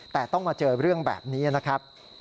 แต่ต้องมาเจอเรื่องแบบนี้นะครับ